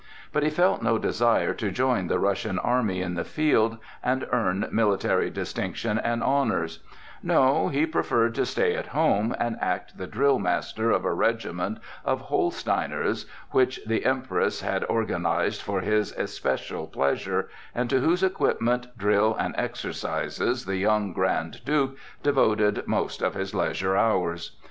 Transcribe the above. But he felt no desire to join the Russian army in the field and earn military distinction and honors; no, he preferred to stay at home and act the drillmaster of a regiment of Holsteiners, which the Empress had organized for his especial pleasure, and to whose equipment, drill and exercises the young Grand Duke devoted most of his leisure hours.